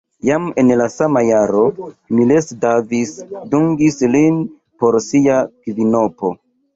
Jam en la sama jaro Miles Davis dungis lin por sia kvinopo.